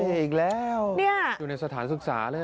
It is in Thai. อีกแล้วอยู่ในสถานศึกษาแล้ว